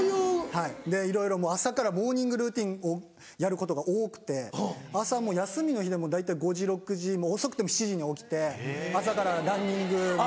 はいでいろいろ朝からモーニングルーティンをやることが多くて朝も休みの日でも大体５時６時遅くても７時に起きて朝からランニング。